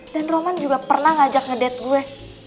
dan roman juga pernah ngajak ngedate gue